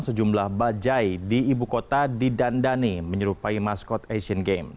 sejumlah bajai di ibu kota didandani menyerupai maskot asian games